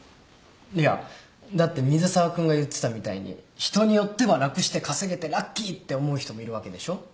いやだって水沢君が言ってたみたいに人によっては楽して稼げてラッキーって思う人もいるわけでしょ。